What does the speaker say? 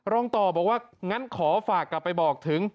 รองต่อบอกว่างั้นขอฝากกลับไปบอกถึง